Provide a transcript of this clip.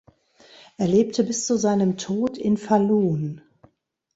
Er lebte bis zu seinem Tod in Falun.